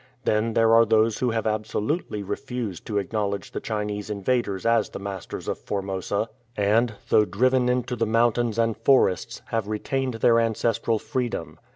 Then there are those who have absolutely refused to acknowledge the Chinese invaders as the masters of Formosa, and, though 64 DENTISTRY AND THE GOSPEL driven into the mountains and forests, have retained their ancestral freedom.